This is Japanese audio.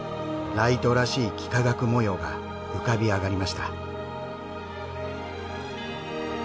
ライトらしい幾何学模様が浮かび上がりました。